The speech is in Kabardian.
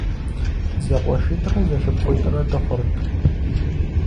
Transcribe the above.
ЗэкъуэшитӀрэ зэшыпхъуитӀрэ дыхъурт.